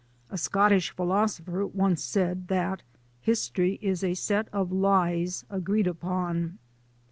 A Scottish philosopher once said that history is a set of lies agreed upon.